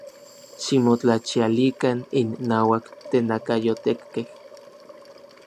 ¡Ximotlachialikan innauak tenakayotekkej!